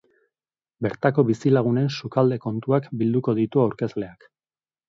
Bertako bizilagunen sukalde kontuak bilduko ditu aurkezleak.